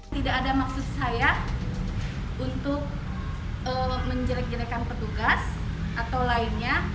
tidak ada maksud saya untuk menjelek jelekan petugas atau lainnya